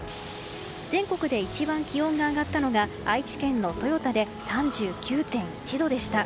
全国で一番気温が上がったのは愛知県の豊田で３９．１度でした。